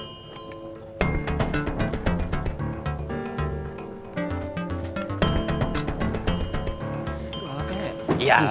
itu orang belakangnya